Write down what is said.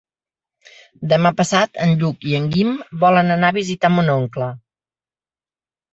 Demà passat en Lluc i en Guim volen anar a visitar mon oncle.